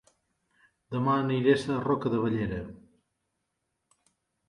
Dema aniré a Sarroca de Bellera